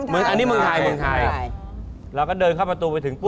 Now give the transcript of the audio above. เมืองไทยใช่ไหมเมืองไทยเราก็เดินเข้าประตูไปถึงปุ๊บ